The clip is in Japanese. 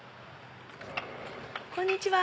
こんにちは。